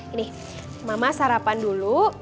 ini mama sarapan dulu